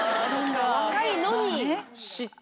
若いのに。